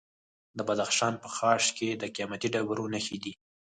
د بدخشان په خاش کې د قیمتي ډبرو نښې دي.